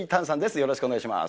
よろしくお願いします。